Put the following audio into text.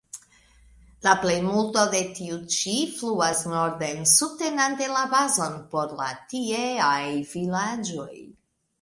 La plejmulto de tiu ĉi fluas norden, subtenante la bazon por la tieaj vilaĝoj.